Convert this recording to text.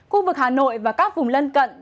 khu vực hà nội và các vùng lân cận